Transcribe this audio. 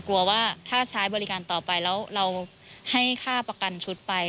กลัวว่าถ้าใช้บริการต่อไปแล้วเราให้ค่าประกันชุดไป